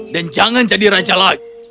dan jangan jadi raja lagi